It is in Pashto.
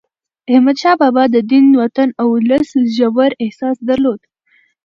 احمدشاه بابا د دین، وطن او ولس ژور احساس درلود.